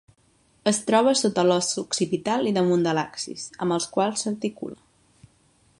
Es troba sota l'os occipital i damunt de l'axis, amb els quals s'articula.